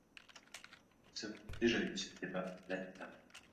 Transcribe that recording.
Nous avons déjà eu ce débat l’année dernière.